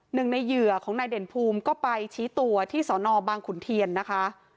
หนึ่งในเหยื่อของนายเด่นภูมิก็ไปชี้ตัวที่สอนอบางขุนเทียนนะคะ